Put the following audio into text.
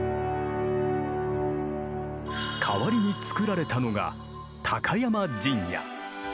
代わりに造られたのが高山陣屋。